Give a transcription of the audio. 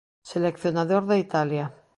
Seleccionador de Italia.